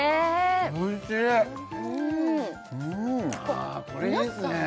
ああこれいいっすね